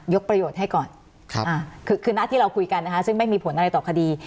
ประโยชน์ให้ก่อนคือนัดที่เราคุยกันนะคะซึ่งไม่มีผลอะไรต่อคดี